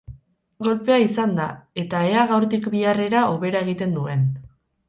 Golpea izan da eta ea gaurtik biharrera hobera egiten duen.